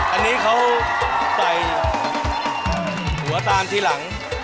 อันนี้เขาใส่หัวตามทีหลัง